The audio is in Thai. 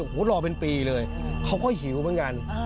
โอ้โหรอเป็นปีเลยเขาก็หิวเหมือนกัน